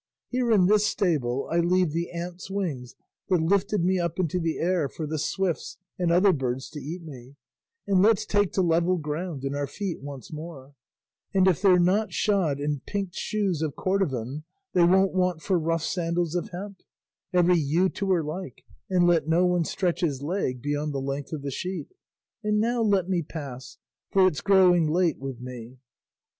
Here in this stable I leave the ant's wings that lifted me up into the air for the swifts and other birds to eat me, and let's take to level ground and our feet once more; and if they're not shod in pinked shoes of cordovan, they won't want for rough sandals of hemp; 'every ewe to her like,' 'and let no one stretch his leg beyond the length of the sheet;' and now let me pass, for it's growing late with me."